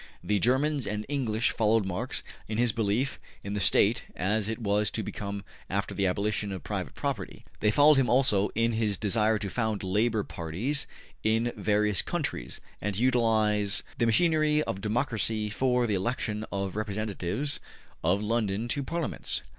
The Germans and English followed Marx in his belief in the State as it was to become after the abolition of private property; they followed him also in his desire to found Labor Parties in the various countries, and to utilize the machinery of democracy for the election of representatives of Labor to Parliaments.